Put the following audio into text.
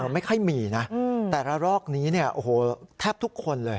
ไม่ค่อยมีนะแต่ละรอกนี้แทบทุกคนเลย